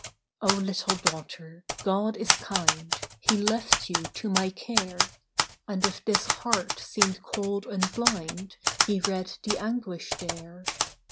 " Oh, little daughter ! God is kind ; He left you to my care ; And if this heart seemed cold and blind, He read the anguish there.